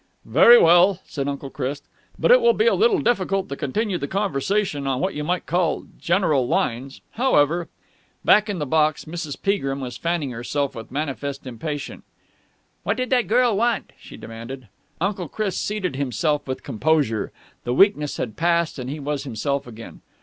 "Very well," said Uncle Chris. "But it will be a little difficult to continue the conversation on what you might call general lines. However!" Back in the box, Mrs. Peagrim was fanning herself with manifest impatience. "What did that girl want?" she demanded. Uncle Chris seated himself with composure. The weakness had passed, and he was himself again.